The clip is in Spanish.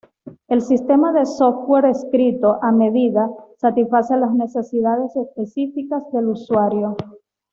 El sistema de software escrito "a medida" satisface las necesidades específicas del usuario.